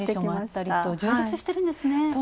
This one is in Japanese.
充実してるんですね。